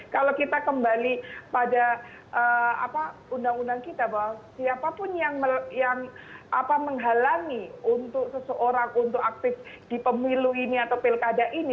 kalau kita kembali pada undang undang kita bahwa siapapun yang menghalangi untuk seseorang untuk aktif di pemilu ini atau pilkada ini